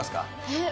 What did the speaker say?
えっ？